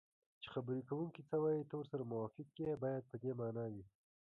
چې خبرې کوونکی څه وایي ته ورسره موافق یې باید په دې مانا وي